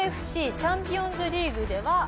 ＯＦＣチャンピオンズリーグでは。